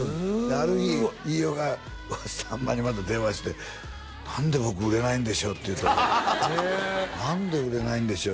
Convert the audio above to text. ある日飯尾がさんまにまた電話して「何で僕売れないんでしょう？」って言うた「何で売れないんでしょう？」